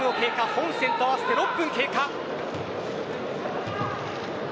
本戦と合わせて６分経過。